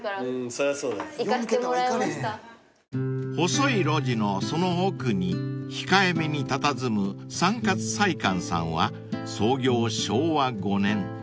［細い路地のその奥に控えめにたたずむ三勝菜館さんは創業昭和５年］